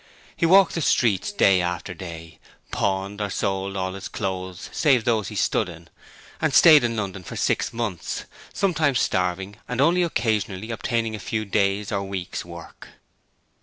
He walked the streets day after day; pawned or sold all his clothes save those he stood in, and stayed in London for six months, sometimes starving and only occasionally obtaining a few days or weeks work.